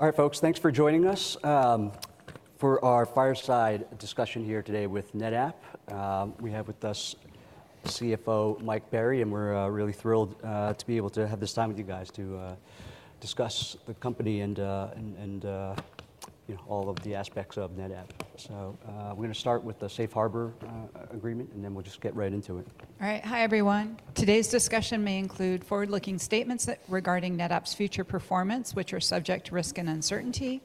All right, folks, thanks for joining us for our fireside discussion here today with NetApp. We have with us CFO Mike Berry, and we're really thrilled to be able to have this time with you guys to discuss the company and all of the aspects of NetApp. So we're going to start with the Safe Harbor Agreement, and then we'll just get right into it. All right, hi everyone. Today's discussion may include forward-looking statements regarding NetApp's future performance, which are subject to risk and uncertainty.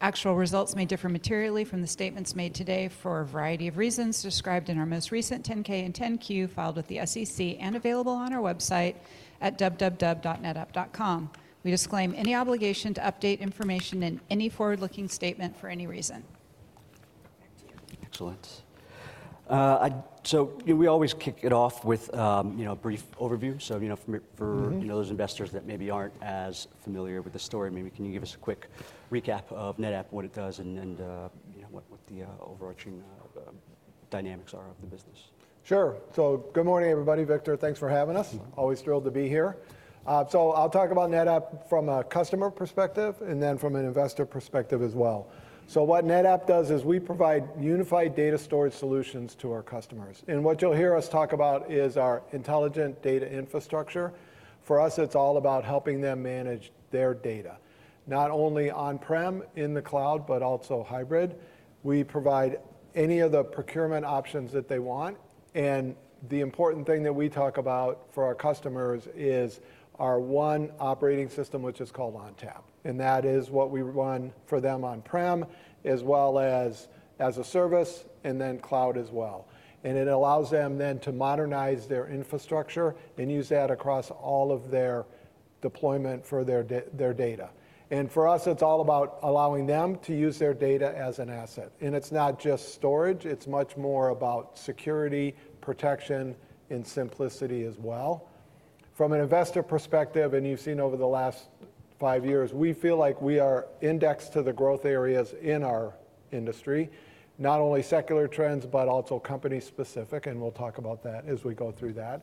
Actual results may differ materially from the statements made today for a variety of reasons described in our most recent 10-K and 10-Q filed with the SEC and available on our website at www.netapp.com. We disclaim any obligation to update information in any forward-looking statement for any reason. Excellent. So we always kick it off with a brief overview. So for those investors that maybe aren't as familiar with the story, maybe can you give us a quick recap of NetApp, what it does, and what the overarching dynamics are of the business? Sure. So good morning, everybody. Victor, thanks for having us. Always thrilled to be here. So I'll talk about NetApp from a customer perspective and then from an investor perspective as well. So what NetApp does is we provide unified data storage solutions to our customers. And what you'll hear us talk about is our Intelligent Data Infrastructure. For us, it's all about helping them manage their data, not only on-prem in the cloud, but also hybrid. We provide any of the procurement options that they want. And the important thing that we talk about for our customers is our one operating system, which is called ONTAP. And that is what we run for them on-prem, as well as as a service, and then cloud as well. And it allows them then to modernize their infrastructure and use that across all of their deployment for their data. And for us, it's all about allowing them to use their data as an asset. And it's not just storage. It's much more about security, protection, and simplicity as well. From an investor perspective, and you've seen over the last five years, we feel like we are indexed to the growth areas in our industry, not only secular trends, but also company-specific. And we'll talk about that as we go through that.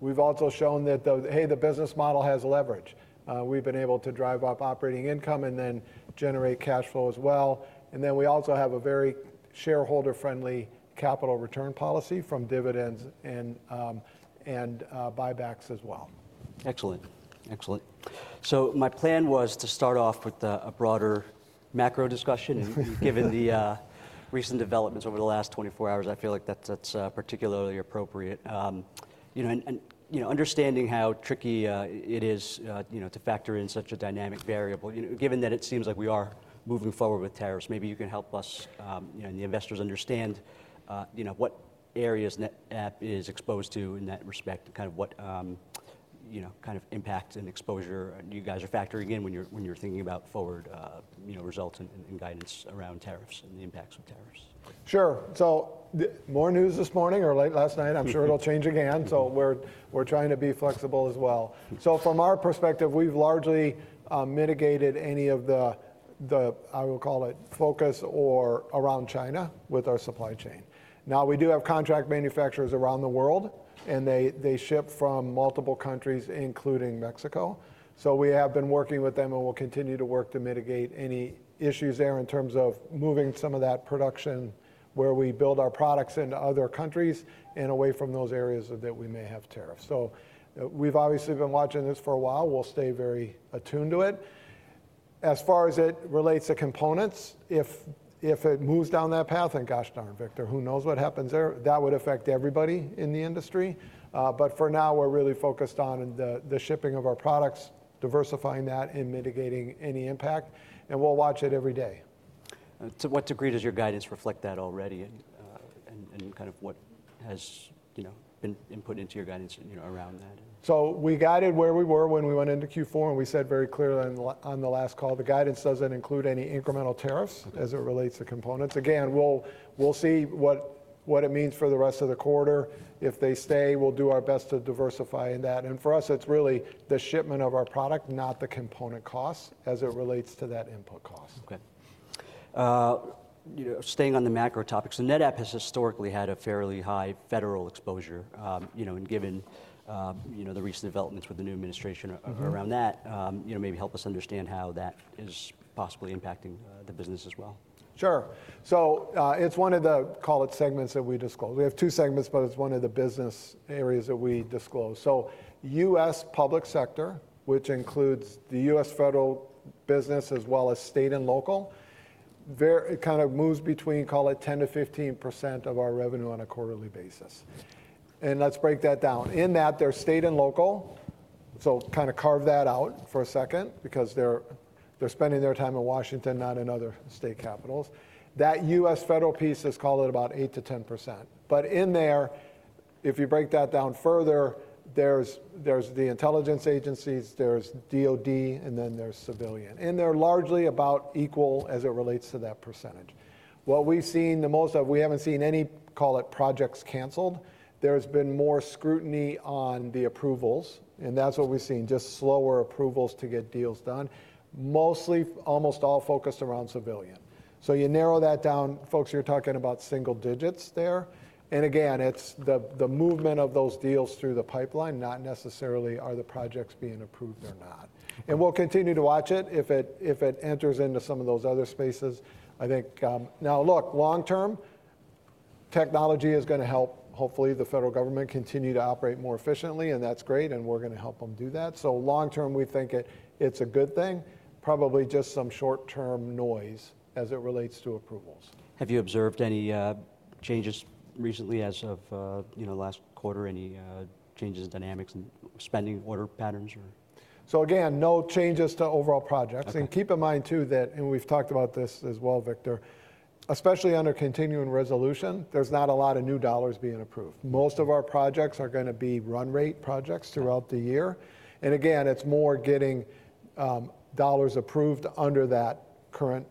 We've also shown that, hey, the business model has leverage. We've been able to drive up operating income and then generate cash flow as well. And then we also have a very shareholder-friendly capital return policy from dividends and buybacks as well. Excellent. Excellent. So my plan was to start off with a broader macro discussion. Given the recent developments over the last 24 hours, I feel like that's particularly appropriate. Understanding how tricky it is to factor in such a dynamic variable, given that it seems like we are moving forward with tariffs, maybe you can help us and the investors understand what areas NetApp is exposed to in that respect, and kind of what kind of impact and exposure you guys are factoring in when you're thinking about forward results and guidance around tariffs and the impacts of tariffs. Sure. More news this morning or late last night, I'm sure it'll change again. We're trying to be flexible as well. From our perspective, we've largely mitigated any of the, I will call it, focus or around China with our supply chain. Now, we do have contract manufacturers around the world, and they ship from multiple countries, including Mexico. We have been working with them and will continue to work to mitigate any issues there in terms of moving some of that production where we build our products into other countries and away from those areas that we may have tariffs. We've obviously been watching this for a while. We'll stay very attuned to it. As far as it relates to components, if it moves down that path, and gosh darn, Victor, who knows what happens there, that would affect everybody in the industry. But for now, we're really focused on the shipping of our products, diversifying that, and mitigating any impact. And we'll watch it every day. To what degree does your guidance reflect that already and kind of what has been input into your guidance around that? We guided where we were when we went into Q4, and we said very clearly on the last call, the guidance doesn't include any incremental tariffs as it relates to components. Again, we'll see what it means for the rest of the quarter. If they stay, we'll do our best to diversify in that. And for us, it's really the shipment of our product, not the component costs as it relates to that input cost. Okay. Staying on the macro topics, NetApp has historically had a fairly high federal exposure. And given the recent developments with the new administration around that, maybe help us understand how that is possibly impacting the business as well? Sure. So it's one of the, call it, segments that we disclose. We have two segments, but it's one of the business areas that we disclose. So U.S. public sector, which includes the U.S. federal business as well as state and local, kind of moves between, call it, 10%-15% of our revenue on a quarterly basis, and let's break that down. In that, there's state and local. So kind of carve that out for a second because they're spending their time in Washington, not in other state capitals. That U.S. federal piece is, call it, about 8%-10%, but in there, if you break that down further, there's the intelligence agencies, there's DoD, and then there's civilian, and they're largely about equal as it relates to that percentage. What we've seen the most of, we haven't seen any, call it, projects canceled. There's been more scrutiny on the approvals, and that's what we've seen, just slower approvals to get deals done, mostly almost all focused around civilian, so you narrow that down, folks, you're talking about single-digits there, and again, it's the movement of those deals through the pipeline, not necessarily are the projects being approved or not, and we'll continue to watch it if it enters into some of those other spaces. I think now, look, long-term, technology is going to help, hopefully, the federal government continue to operate more efficiently, and that's great, and we're going to help them do that, so long-term, we think it's a good thing, probably just some short-term noise as it relates to approvals. Have you observed any changes recently as of last quarter, any changes in dynamics and spending order patterns? So again, no changes to overall projects. And keep in mind, too, that, and we've talked about this as well, Victor, especially under Continuing Resolution, there's not a lot of new dollars being approved. Most of our projects are going to be run rate projects throughout the year. And again, it's more getting dollars approved under that current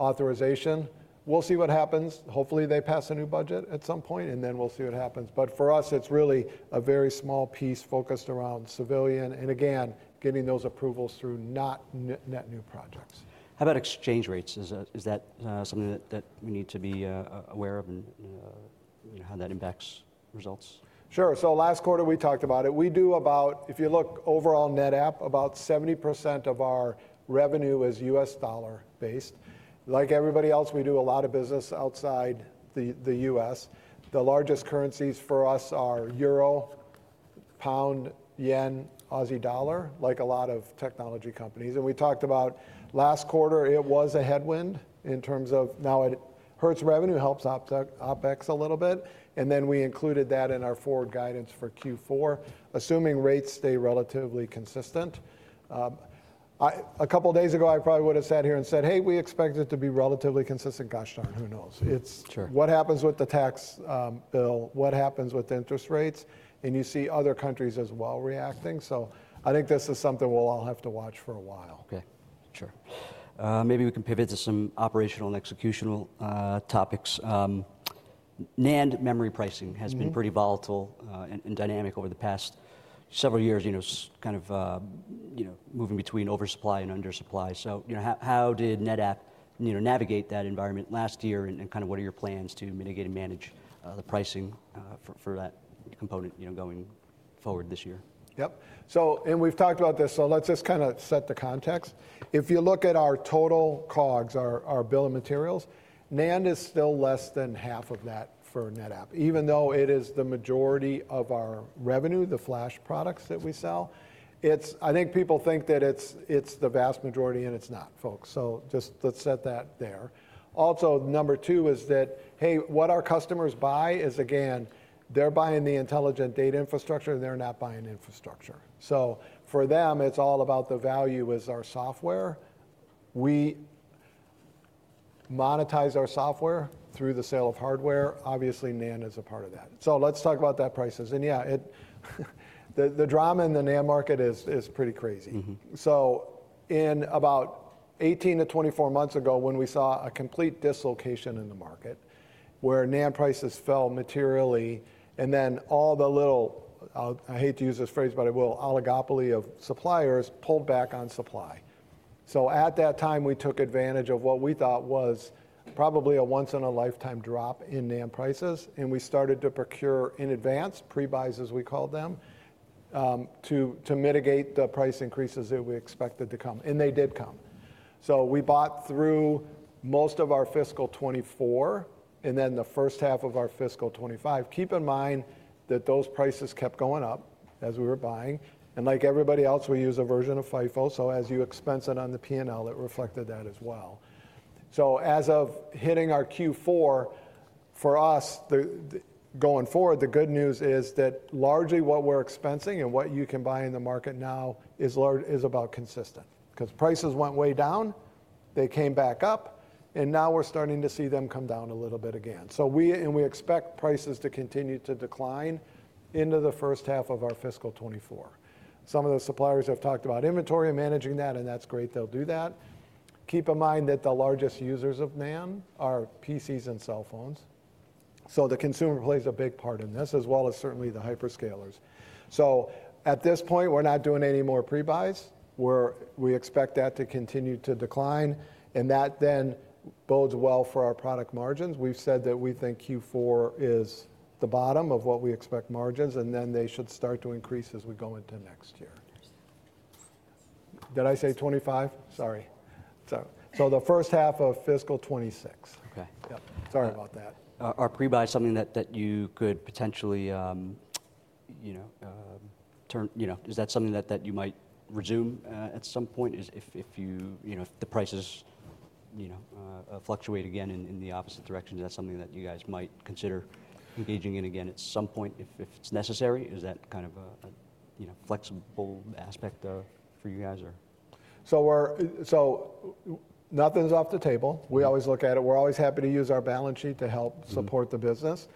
authorization. We'll see what happens. Hopefully, they pass a new budget at some point, and then we'll see what happens. But for us, it's really a very small piece focused around civilian and, again, getting those approvals through not net new projects. How about exchange rates? Is that something that we need to be aware of and how that impacts results? Sure. So last quarter, we talked about it. We do about, if you look overall NetApp, about 70% of our revenue is U.S. dollar based. Like everybody else, we do a lot of business outside the U.S. The largest currencies for us are Euro, Pound, Yen, Aussie dollar, like a lot of technology companies. And we talked about last quarter, it was a headwind in terms of now it hurts revenue, helps OpEx a little bit. And then we included that in our forward guidance for Q4, assuming rates stay relatively consistent. A couple of days ago, I probably would have sat here and said, hey, we expect it to be relatively consistent. Gosh darn, who knows? What happens with the tax bill? What happens with interest rates? And you see other countries as well reacting. So I think this is something we'll all have to watch for a while. Okay. Sure. Maybe we can pivot to some operational and executional topics. NAND memory pricing has been pretty volatile and dynamic over the past several years, kind of moving between oversupply and undersupply. So how did NetApp navigate that environment last year? And kind of what are your plans to mitigate and manage the pricing for that component going forward this year? Yep. And we've talked about this. So let's just kind of set the context. If you look at our total COGS, our bill of materials, NAND is still less than half of that for NetApp, even though it is the majority of our revenue, the flash products that we sell. I think people think that it's the vast majority, and it's not, folks. So just let's set that there. Also, number two is that, hey, what our customers buy is, again, they're buying the Intelligent Data Infrastructure, and they're not buying infrastructure. So for them, it's all about the value is our software. We monetize our software through the sale of hardware. Obviously, NAND is a part of that. So let's talk about those prices. And yeah, the drama in the NAND market is pretty crazy. So in about 18-24 months ago, when we saw a complete dislocation in the market where NAND prices fell materially, and then all the little, I hate to use this phrase, but a little oligopoly of suppliers pulled back on supply. So at that time, we took advantage of what we thought was probably a once in a lifetime drop in NAND prices. And we started to procure in advance, pre-buys, as we call them, to mitigate the price increases that we expected to come. And they did come. So we bought through most of our fiscal 2024 and then the first half of our fiscal 2025. Keep in mind that those prices kept going up as we were buying. And like everybody else, we use a version of FIFO. So as you expense it on the P&L, it reflected that as well. As of hitting our Q4, for us going forward, the good news is that largely what we're expensing and what you can buy in the market now is about consistent because prices went way down, they came back up, and now we're starting to see them come down a little bit again. We expect prices to continue to decline into the first half of our fiscal 2024. Some of the suppliers have talked about inventory and managing that, and that's great. They'll do that. Keep in mind that the largest users of NAND are PCs and cell phones. The consumer plays a big part in this, as well as certainly the hyperscalers. At this point, we're not doing any more pre-buys. We expect that to continue to decline. That then bodes well for our product margins. We've said that we think Q4 is the bottom of what we expect margins, and then they should start to increase as we go into next year. Did I say 2025? Sorry. So the first half of fiscal 2026. Sorry about that. Are pre-buys something that you could potentially turn? Is that something that you might resume at some point if the prices fluctuate again in the opposite direction? Is that something that you guys might consider engaging in again at some point if it's necessary? Is that kind of a flexible aspect for you guys? So nothing's off the table. We always look at it. We're always happy to use our balance sheet to help support the business.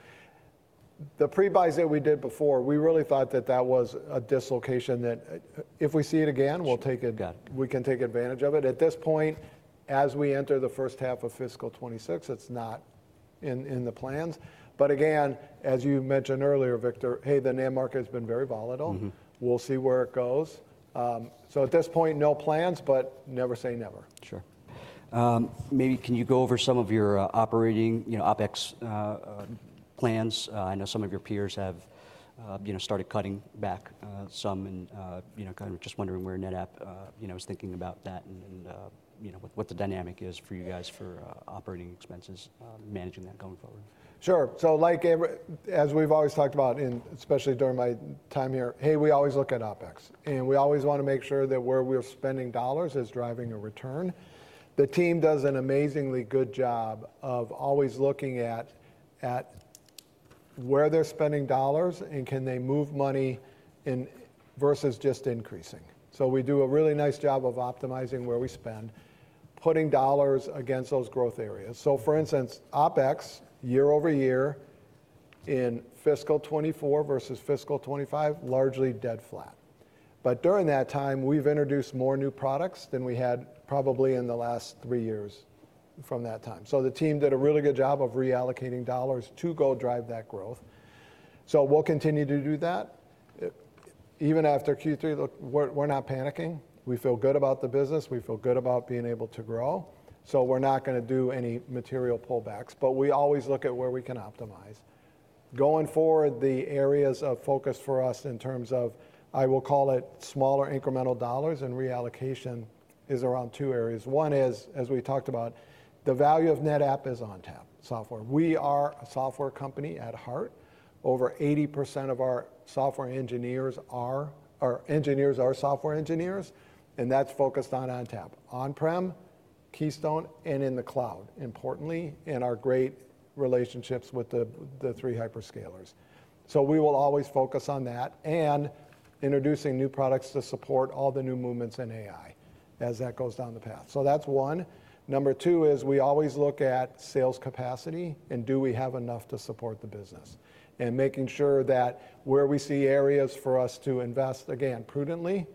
The pre-buys that we did before, we really thought that that was a dislocation that if we see it again, we can take advantage of it. At this point, as we enter the first half of fiscal 2026, it's not in the plans. But again, as you mentioned earlier, Victor, hey, the NAND market has been very volatile. We'll see where it goes. So at this point, no plans, but never say never. Sure. Maybe can you go over some of your operating OpEx plans? I know some of your peers have started cutting back some. And kind of just wondering where NetApp is thinking about that and what the dynamic is for you guys for operating expenses, managing that going forward. Sure. So as we've always talked about, and especially during my time here, hey, we always look at OpEx. And we always want to make sure that where we're spending dollars is driving a return. The team does an amazingly good job of always looking at where they're spending dollars and can they move money versus just increasing. So we do a really nice job of optimizing where we spend, putting dollars against those growth areas. So for instance, OpEx, year over year in fiscal 2024 versus fiscal 2025, largely dead flat. But during that time, we've introduced more new products than we had probably in the last three years from that time. So the team did a really good job of reallocating dollars to go drive that growth. So we'll continue to do that. Even after Q3, look, we're not panicking. We feel good about the business. We feel good about being able to grow. So we're not going to do any material pullbacks. But we always look at where we can optimize. Going forward, the areas of focus for us in terms of, I will call it, smaller incremental dollars and reallocation is around two areas. One is, as we talked about, the value of NetApp is ONTAP software. We are a software company at heart. Over 80% of our software engineers are software engineers. And that's focused on ONTAP, on-prem, Keystone, and in the cloud, importantly, and our great relationships with the three hyperscalers. So we will always focus on that and introducing new products to support all the new movements in AI as that goes down the path. So that's one. Number two is we always look at sales capacity and do we have enough to support the business and making sure that where we see areas for us to invest, again, prudently.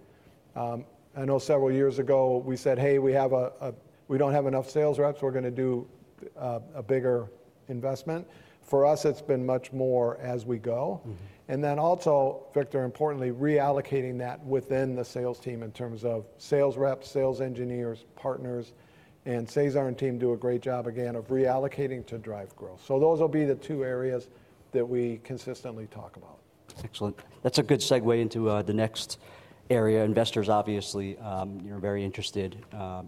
I know several years ago we said, hey, we don't have enough sales reps. We're going to do a bigger investment. For us, it's been much more as we go. And then also, Victor, importantly, reallocating that within the sales team in terms of sales reps, sales engineers, partners, and Cesar and team do a great job, again, of reallocating to drive growth. So those will be the two areas that we consistently talk about. Excellent. That's a good segue into the next area. Investors, obviously, are very interested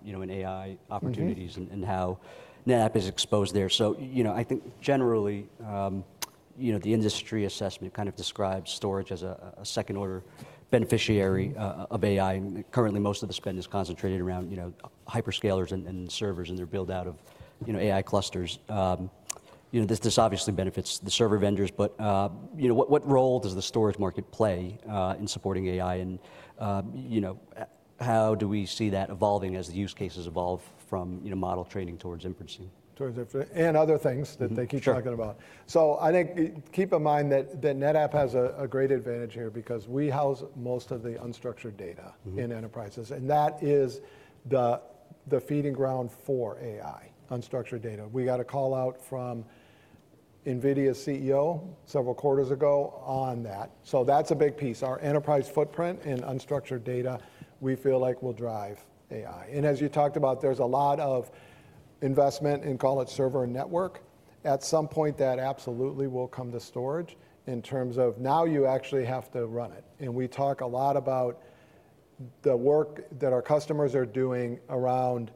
in AI opportunities and how NetApp is exposed there. So I think generally, the industry assessment kind of describes storage as a second-order beneficiary of AI. Currently, most of the spend is concentrated around hyperscales and servers, and they're built out of AI clusters. This obviously benefits the server vendors. But what role does the storage market play in supporting AI? And how do we see that evolving as the use cases evolve from model training towards inferencing? Toward inferencing and other things that they keep talking about, so I think keep in mind that NetApp has a great advantage here because we house most of the unstructured data in enterprises. And that is the feeding ground for AI, unstructured data. We got a call out from NVIDIA's CEO several quarters ago on that, so that's a big piece. Our enterprise footprint and unstructured data, we feel like, will drive AI, and as you talked about, there's a lot of investment in, call it, server and network. At some point, that absolutely will come to storage in terms of now you actually have to run it, and we talk a lot about the work that our customers are doing around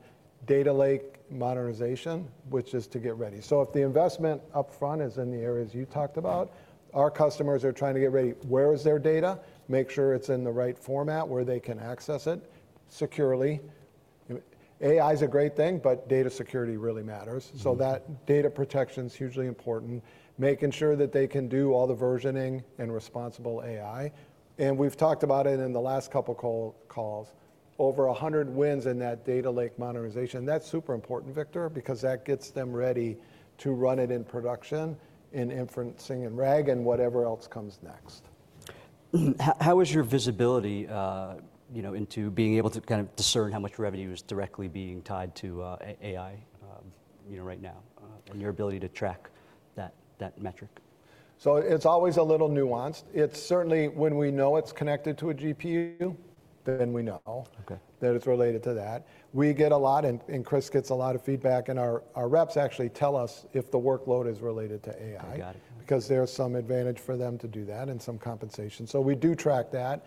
data lake modernization, which is to get ready, so if the investment upfront is in the areas you talked about, our customers are trying to get ready. Where is their data? Make sure it's in the right format where they can access it securely. AI is a great thing, but data security really matters. So that data protection is hugely important, making sure that they can do all the versioning and responsible AI. And we've talked about it in the last couple of calls. Over 100 wins in that data lake modernization. That's super important, Victor, because that gets them ready to run it in production, in inferencing, and RAG, and whatever else comes next. How is your visibility into being able to kind of discern how much revenue is directly being tied to AI right now and your ability to track that metric? So it's always a little nuanced. It's certainly when we know it's connected to a GPU, then we know that it's related to that. We get a lot, and Chris gets a lot of feedback. And our reps actually tell us if the workload is related to AI because there's some advantage for them to do that and some compensation. So we do track that.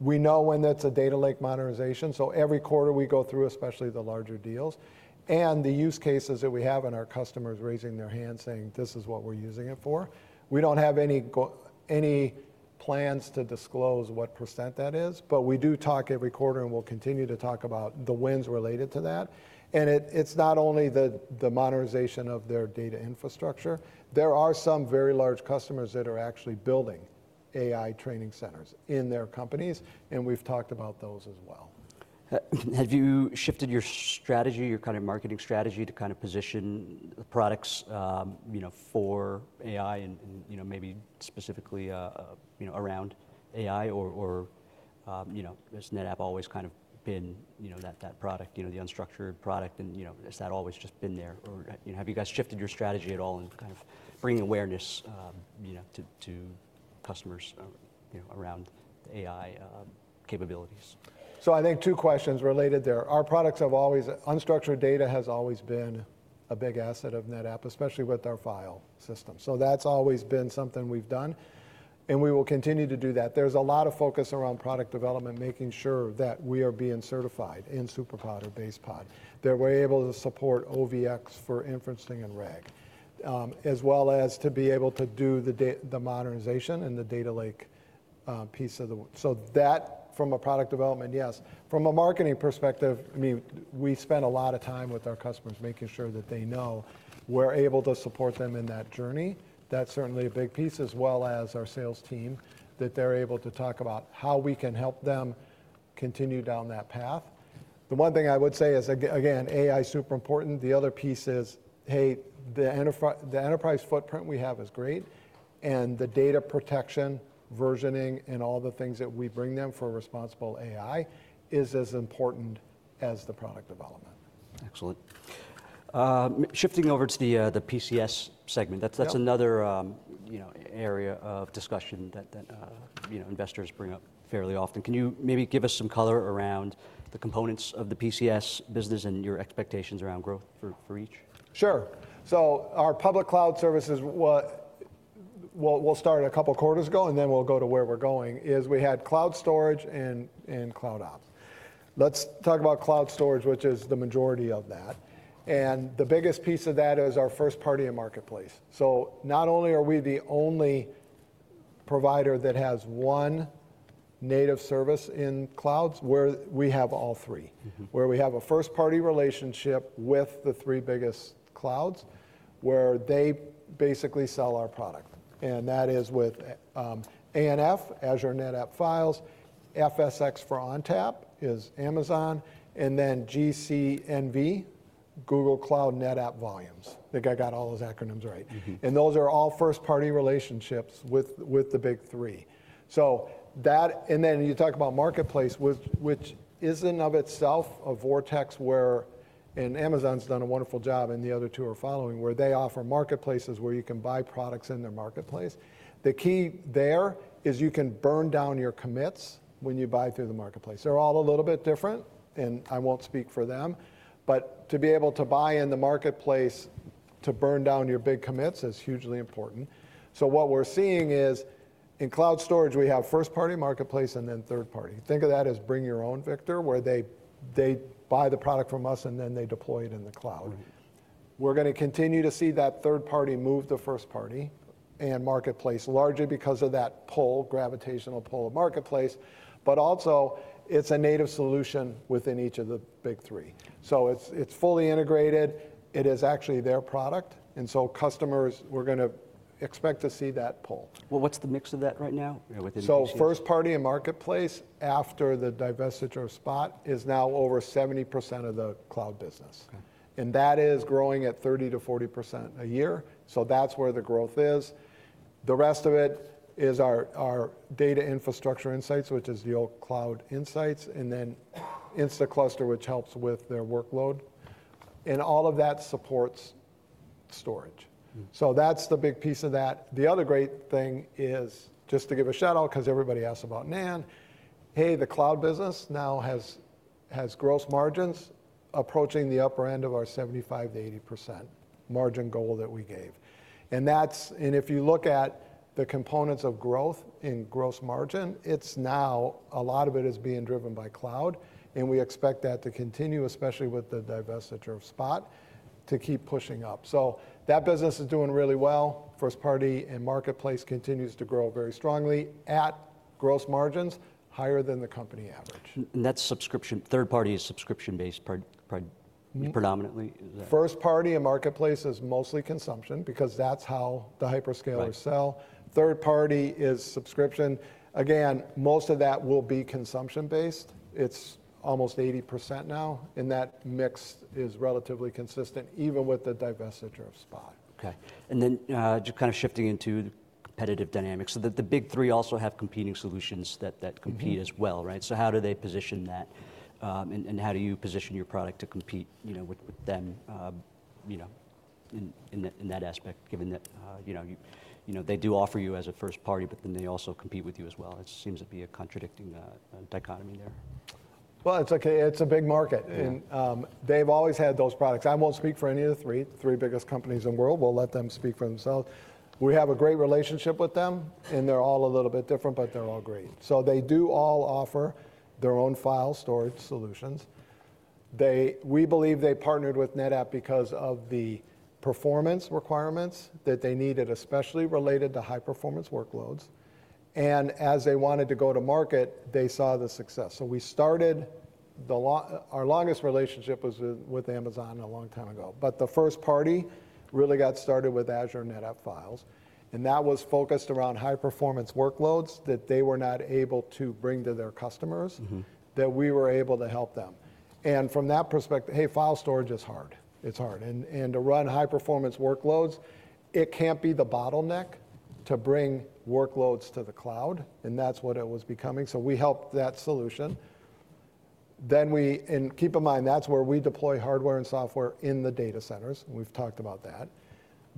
We know when that's a data lake modernization. So every quarter we go through, especially the larger deals. And the use cases that we have and our customers raising their hands saying, this is what we're using it for. We don't have any plans to disclose what % that is. But we do talk every quarter, and we'll continue to talk about the wins related to that. And it's not only the modernization of their data infrastructure. There are some very large customers that are actually building AI training centers in their companies, and we've talked about those as well. Have you shifted your strategy, your kind of marketing strategy to kind of position the products for AI and maybe specifically around AI? Or has NetApp always kind of been that product, the unstructured product? And has that always just been there? Or have you guys shifted your strategy at all in kind of bringing awareness to customers around AI capabilities? So I think two questions related there. Our products have always unstructured data has always been a big asset of NetApp, especially with our file system. So that's always been something we've done. And we will continue to do that. There's a lot of focus around product development, making sure that we are being certified in SuperPOD and BasePOD, that we're able to support OVX for inferencing and RAG, as well as to be able to do the modernization and the data lake piece of the so that from a product development, yes. From a marketing perspective, I mean, we spend a lot of time with our customers making sure that they know we're able to support them in that journey. That's certainly a big piece, as well as our sales team, that they're able to talk about how we can help them continue down that path. The one thing I would say is, again, AI is super important. The other piece is, hey, the enterprise footprint we have is great. And the data protection, versioning, and all the things that we bring them for responsible AI is as important as the product development. Excellent. Shifting over to the PCS segment, that's another area of discussion that investors bring up fairly often. Can you maybe give us some color around the components of the PCS business and your expectations around growth for each? Sure. So our Public Cloud services. We'll start a couple of quarters ago, and then we'll go to where we're going. Is we had cloud storage and CloudOps. Let's talk about cloud storage, which is the majority of that. And the biggest piece of that is our first-party and marketplace. So not only are we the only provider that has one native service in clouds, we have all three, where we have a first-party relationship with the three biggest clouds where they basically sell our product. And that is with ANF, Azure NetApp Files, FSx for ONTAP is Amazon, and then GCNV, Google Cloud NetApp Volumes. I think I got all those acronyms right. And those are all first-party relationships with the big three. And then you talk about marketplace, which is in and of itself a vortex where, and Amazon's done a wonderful job, and the other two are following, where they offer marketplaces where you can buy products in their marketplace. The key there is you can burn down your commits when you buy through the marketplace. They're all a little bit different. And I won't speak for them. But to be able to buy in the marketplace to burn down your big commits is hugely important. So what we're seeing is in cloud storage, we have first-party marketplace and then third-party. Think of that as bring your own, Victor, where they buy the product from us and then they deploy it in the cloud. We're going to continue to see that third-party move to first-party and marketplace largely because of that pull, gravitational pull of marketplace. But also, it's a native solution within each of the big three. So it's fully integrated. It is actually their product. And so customers, we're going to expect to see that pull. What's the mix of that right now? So first-party and marketplace after the Divestiture Spot is now over 70% of the cloud business, and that is growing at 30%-40% a year, so that's where the growth is. The rest of it is our Data Infrastructure Insights, which is the old Cloud Insights, and then Instaclustr, which helps with their workload. And all of that supports storage, so that's the big piece of that. The other great thing is just to give a shout out because everybody asks about NAND. Hey, the cloud business now has gross margins approaching the upper end of our 75%-80% margin goal that we gave, and if you look at the components of growth in gross margin, it's now a lot of it is being driven by cloud. And we expect that to continue, especially with the Divestiture of Spot, to keep pushing up. That business is doing really well. First-party and marketplace continues to grow very strongly at gross margins higher than the company average. That's subscription, third-party subscription-based predominantly? First-party and marketplace is mostly consumption because that's how the hyperscalers sell. Third-party is subscription. Again, most of that will be consumption-based. It's almost 80% now. And that mix is relatively consistent even with the Spot divestiture. Okay. And then just kind of shifting into competitive dynamics. So the big three also have competing solutions that compete as well. So how do they position that? And how do you position your product to compete with them in that aspect, given that they do offer you as a first-party, but then they also compete with you as well? It seems to be a contradicting dichotomy there. It's a big market. They've always had those products. I won't speak for any of the three biggest companies in the world. We'll let them speak for themselves. We have a great relationship with them. They're all a little bit different, but they're all great. They do all offer their own file storage solutions. We believe they partnered with NetApp because of the performance requirements that they needed, especially related to high-performance workloads. As they wanted to go to market, they saw the success. We started our longest relationship was with Amazon a long time ago. The first-party really got started with Azure NetApp Files. That was focused around high-performance workloads that they were not able to bring to their customers, that we were able to help them. From that perspective, hey, file storage is hard. It's hard. And to run high-performance workloads, it can't be the bottleneck to bring workloads to the cloud. And that's what it was becoming. So we helped that solution. And keep in mind, that's where we deploy hardware and software in the data centers. We've talked about that.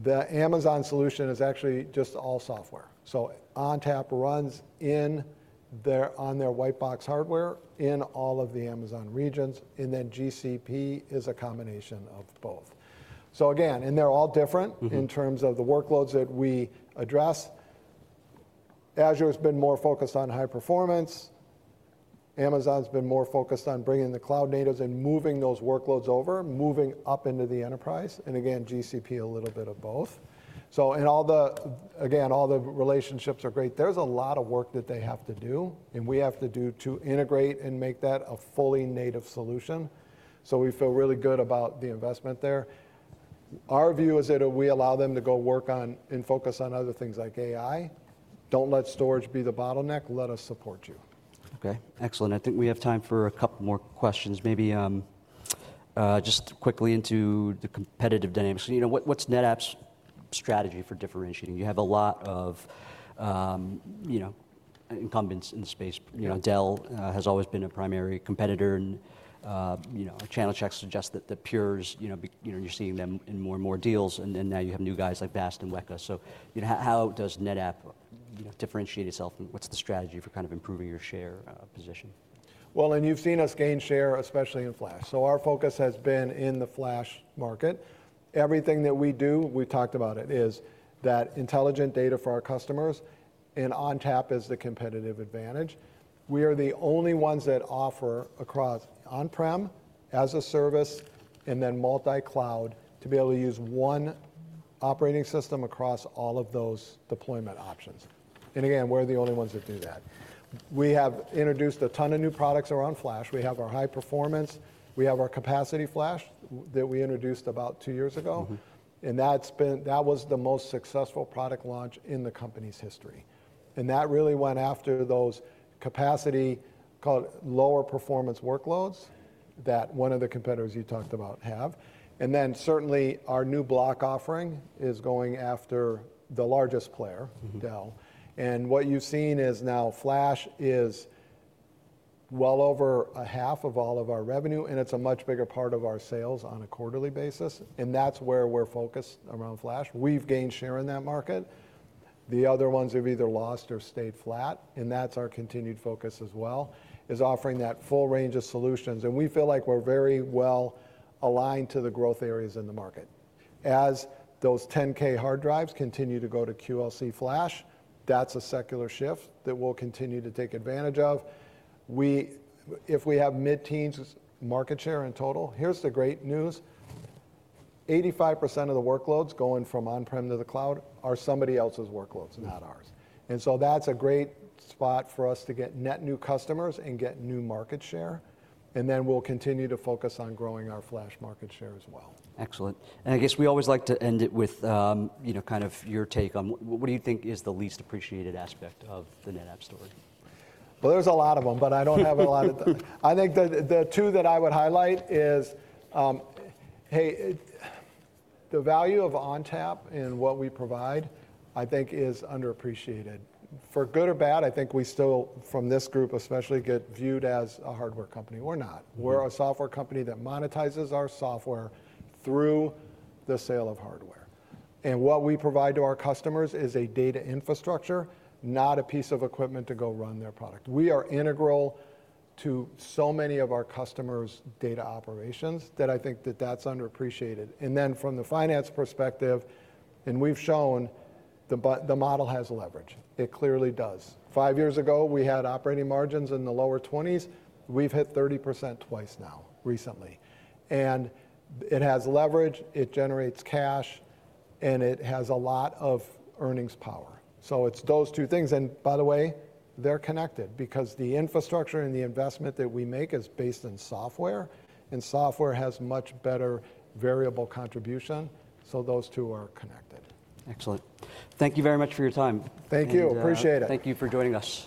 The Amazon solution is actually just all software. So ONTAP runs on their white box hardware in all of the Amazon regions. And then GCP is a combination of both. So again, and they're all different in terms of the workloads that we address. Azure has been more focused on high performance. Amazon's been more focused on bringing the cloud natives and moving those workloads over, moving up into the enterprise. And again, GCP a little bit of both. So again, all the relationships are great. There's a lot of work that they have to do. We have to do to integrate and make that a fully native solution. We feel really good about the investment there. Our view is that we allow them to go work on and focus on other things like AI. Don't let storage be the bottleneck. Let us support you. Okay. Excellent. I think we have time for a couple more questions, maybe just quickly into the competitive dynamics. What's NetApp's strategy for differentiating? You have a lot of incumbents in the space. Dell has always been a primary competitor. And channel checks suggest that the peers, you're seeing them in more and more deals. And now you have new guys like VAST and WEKA. So how does NetApp differentiate itself? And what's the strategy for kind of improving your share position? Well, and you've seen us gain share, especially in flash. So our focus has been in the flash market. Everything that we do, we've talked about it, is that intelligent data for our customers. And ONTAP is the competitive advantage. We are the only ones that offer across on-prem as a service and then multi-cloud to be able to use one operating system across all of those deployment options. And again, we're the only ones that do that. We have introduced a ton of new products around flash. We have our high performance. We have our capacity flash that we introduced about two years ago. And that was the most successful product launch in the company's history. And that really went after those capacity, called lower performance workloads that one of the competitors you talked about have. And then certainly, our new block offering is going after the largest player, Dell. And what you've seen is now flash is well over a half of all of our revenue. And it's a much bigger part of our sales on a quarterly basis. And that's where we're focused around flash. We've gained share in that market. The other ones have either lost or stayed flat. And that's our continued focus as well, is offering that full range of solutions. And we feel like we're very well aligned to the growth areas in the market. As those 10K hard drives continue to go to QLC flash, that's a secular shift that we'll continue to take advantage of. If we have mid-teens market share in total, here's the great news. 85% of the workloads going from on-prem to the cloud are somebody else's workloads, not ours. And so that's a great spot for us to get net new customers and get new market share. And then we'll continue to focus on growing our flash market share as well. Excellent. And I guess we always like to end it with kind of your take on what do you think is the least appreciated aspect of the NetApp story? There's a lot of them, but I don't have a lot of them. I think the two that I would highlight is, hey, the value of ONTAP and what we provide, I think, is underappreciated. For good or bad, I think we still, from this group especially, get viewed as a hardware company. We're not. We're a software company that monetizes our software through the sale of hardware, and what we provide to our customers is a data infrastructure, not a piece of equipment to go run their product. We are integral to so many of our customers' data operations that I think that that's underappreciated, and then from the finance perspective, we've shown the model has leverage. It clearly does. Five years ago, we had operating margins in the lower 20s. We've hit 30% twice now recently, and it has leverage. It generates cash. It has a lot of earnings power. It's those two things. By the way, they're connected because the infrastructure and the investment that we make is based in software. Software has much better variable contribution. Those two are connected. Excellent. Thank you very much for your time. Thank you. Appreciate it. Thank you for joining us.